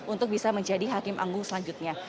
untuk bisa menjadi hakim agung selanjutnya